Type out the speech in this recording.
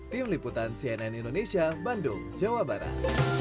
tim liputan cnn indonesia bandung jawa barat